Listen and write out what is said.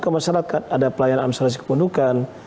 ke masyarakat ada pelayanan administrasi kependudukan